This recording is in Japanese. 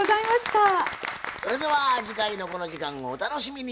それでは次回のこの時間をお楽しみに。